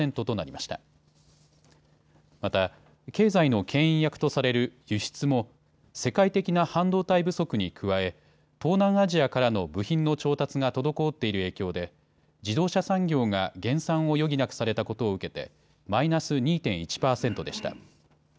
また、経済のけん引役とされる輸出も世界的な半導体不足に加え東南アジアからの部品の調達が滞っている影響で自動車産業が減産を余儀なくされたことを受けてマイナス２．１％でした。